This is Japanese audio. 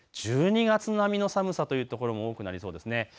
１２月並みの寒さという所も多くなりそうですね。